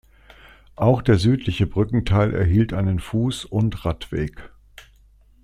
Auch der südliche Brückenteil erhielt einen Fuß- und Radweg.